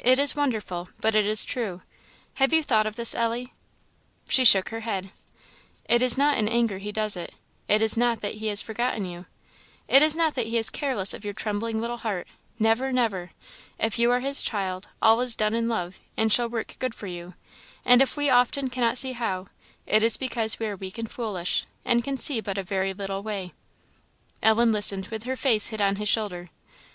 It is wonderful! but it is true. Have you thought of this, Ellie?" She shook her head. "It is not in anger He does it; it is not that He has forgotten you: it is not that He is careless of your trembling little heart never, never! If you are his child, all is done in love, and shall work good for you; and if we often cannot see how, it is because we are weak and foolish, and can see but a very little way." Ellen listened with her face hid on his shoulder.